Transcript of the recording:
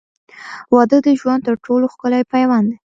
• واده د ژوند تر ټولو ښکلی پیوند دی.